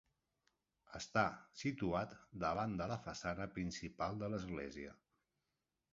Està situat davant de la façana principal de l'església.